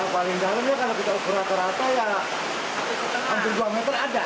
paling dalam ya kalau kita ukur rata rata ya hampir dua meter ada